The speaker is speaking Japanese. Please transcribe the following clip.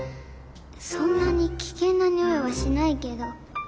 そんなに危険なニオイはしないけど。